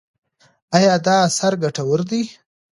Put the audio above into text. ایا دا اثر ګټور دی؟